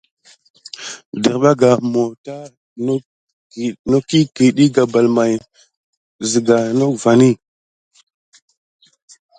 Desbarga mawta nok i ķəɗi gabal may may zəga nok vani.